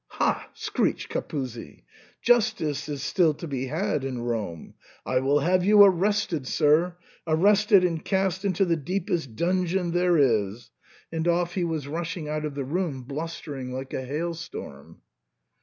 " Ha !" screeched Capuzzi, " justice is still to be had in Rome ; I will have you arrested, sir, — arrested and cast into the deepest dungeon there is," and off he was SIGNOR FORMICA. 103 rushing out of the room, blustering like a hailstorm.